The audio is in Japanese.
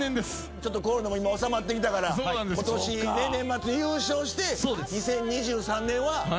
ちょっとコロナも今収まってきたから今年年末優勝して。